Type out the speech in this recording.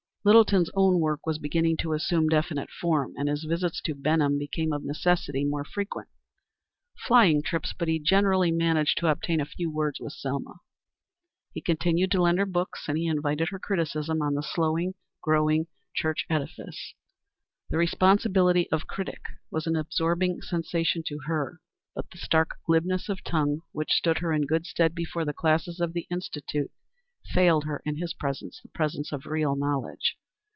Littleton's own work was beginning to assume definite form, and his visits to Benham became of necessity more frequent; flying trips, but he generally managed to obtain a few words with Selma. He continued to lend her books, and he invited her criticism on the slowly growing church edifice. The responsibility of critic was an absorbing sensation to her, but the stark glibness of tongue which stood her in good stead before the classes of the Institute failed her in his presence the presence of real knowledge.